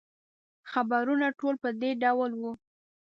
خبرونه ټول په دې ډول وو.